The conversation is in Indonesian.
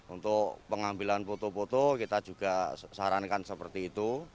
untuk pengambilan foto foto kita juga sarankan seperti itu